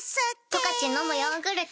「十勝のむヨーグルト」